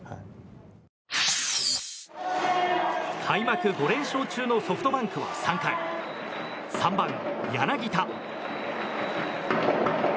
開幕５連勝中のソフトバンクは３回３番、柳田。